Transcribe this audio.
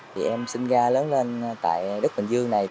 thì em sinh ra lớn lên tại đức bình dương này